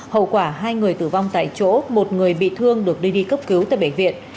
hậu quả hai người tử vong tại chỗ một người bị thương được đưa đi cấp cứu tại bệnh viện